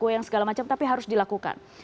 ada yang segala macam tapi harus dilakukan